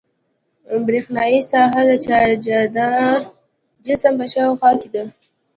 برېښنايي ساحه د چارجداره جسم په شاوخوا کې ده.